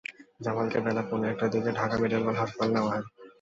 জামালকে বেলা পৌনে একটার দিকে ঢাকা মেডিকেল কলেজ হাসপাতালে নেওয়া হয়।